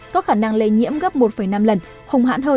có khả năng lây nhiễm gấp một năm lần